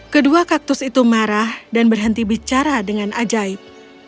kedua kaktus itu marah dan berhenti bicara dengan ajaib